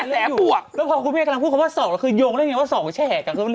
แล้วพอคุณพี่แอลล์กำลังพูดคำว่าสอกคือยงเล่นยังไงว่าสอกแชก